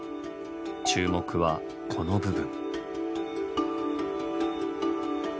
注目はこの部分。